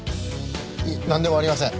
いえなんでもありません。